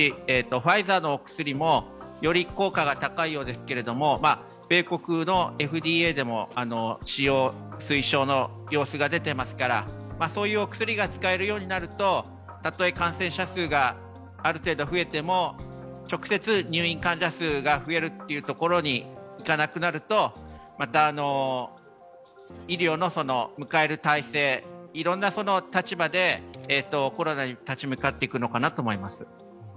ファイザーのお薬もより効果が高いようですけれども、米国のＦＤＡでも使用推奨の様子が出ていますから、そういうお薬が使えるようになるとたとえ感染者数がある程度増えても直接、入院患者数が増えるというところにいかなくなるとまた医療の迎える体制、いろんな立場でコロナに立ち向かっていくのかなと思います。